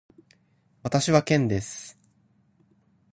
私はケンです。